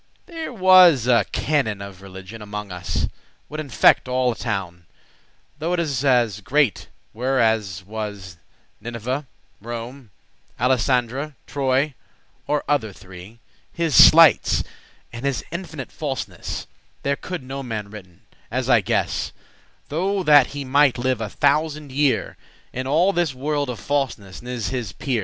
There was a canon of religioun Amonges us, would infect* all a town, *deceive Though it as great were as was Nineveh, Rome, Alisandre,* Troy, or other three. *Alexandria His sleightes* and his infinite falseness *cunning tricks There coulde no man writen, as I guess, Though that he mighte live a thousand year; In all this world of falseness n'is* his peer.